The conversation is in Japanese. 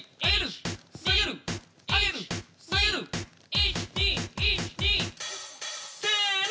１２１２！せの。